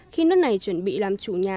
khi nước này chuẩn bị làm chủ nhà